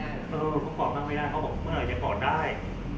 เขากอดก็ไม่ได้เขาก็บอกเมื่อไหร่จะกอดได้